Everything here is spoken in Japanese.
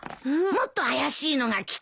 もっと怪しいのが来た。